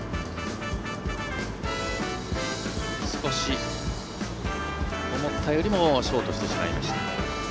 少し思ったよりもショートしてしまいました。